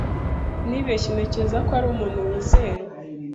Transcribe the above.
Nibeshye ntekereza ko ari umuntu wizerwa.